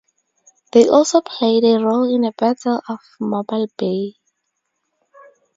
They also played a role in the Battle of Mobile Bay.